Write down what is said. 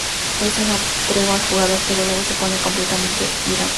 Ofrece una tregua al jugador pero luego se pone completamente iracundo.